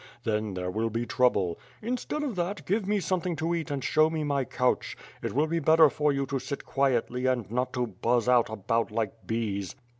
Then there will be trouble. Instead of that, give me some thing to eat and show me my couch. It will be better for you to sit quietly and not to buzz out about like bees."